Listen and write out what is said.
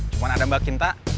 cuma ada mbak kinta